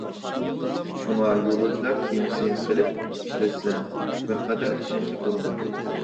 شۇڭا، يولۇچىلار كېمىسى قىلىپ ئىشلەتسە، بىرقەدەر ئىشەنچلىك بولىدۇ.